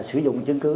sử dụng chứng cứ